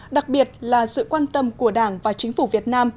đặc biệt là sự quan tâm của đảng và chính phủ việt nam